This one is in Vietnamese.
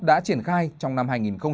đã triển khai trong năm hai nghìn một mươi bảy